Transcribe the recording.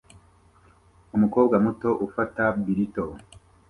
Umukobwa muto ufata burrito